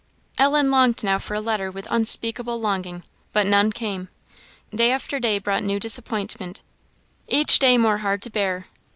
Ellen longed now for a letter with unspeakable longing but none came; day after day brought new disappointment, each day more hard to bear.